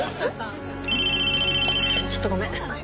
ちょっとごめん。